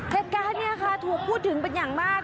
เหตุการณ์นี้ค่ะถูกพูดถึงเป็นอย่างมาก